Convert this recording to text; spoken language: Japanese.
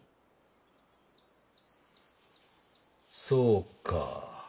そうか。